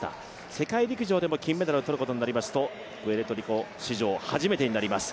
世界陸上でも金メダルを取ることになりますとプエルトリコ史上初めてになります。